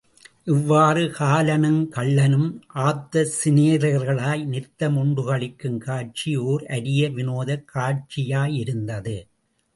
இவ்வாறு, காலனுங் கள்ளனும் ஆப்த சிநேகிதர்களாய் நித்தம் உண்டு களிக்குங் காட்சி ஒர் அரிய விநோதக் காட்சியா யிருந்தது.